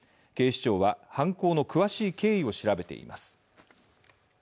警視庁は犯行の詳しい経緯を調べています。